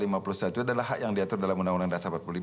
itu adalah hak yang diatur dalam undang undang dasar empat puluh lima